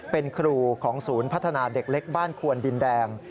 เป็นครูของศูนย์พัฒนาเด็กเล็กบ้านควนดินแดง